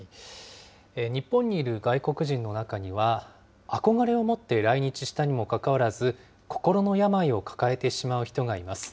日本にいる外国人の中には、憧れを持って来日したにもかかわらず、心の病を抱えてしまう人がいます。